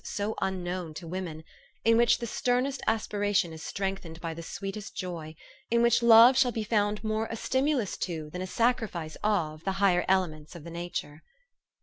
so unknown to women, in which the sternest aspiration is strengthened by the sweetest joy ; in which love shall be found more a stimulus to than a sacrifice of the higher elements of the nature.